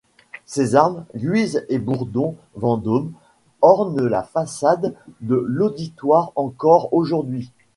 Ses armes, Guise et Bourbon-Vendôme ornent la façade de l'auditoire encore aujourd'hui.